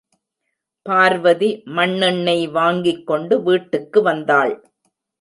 பார்வதி மண்ணெண்ணெய் வாங்கிக்கொண்டு வீட்டுக்கு வந்தாள்.